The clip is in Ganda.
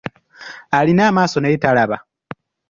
Alina amaaso naye talaba.